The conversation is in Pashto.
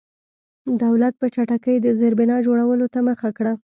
دولت په چټکۍ د زېربنا جوړولو ته مخه کړه.